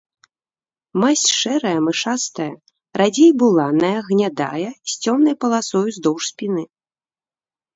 Масць шэрая, мышастая, радзей буланая, гнядая, з цёмнай паласой уздоўж спіны.